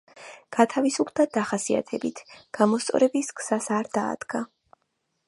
გათავისუფლდა დახასიათებით „გამოსწორების გზას არ დაადგა“.